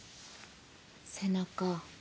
背中。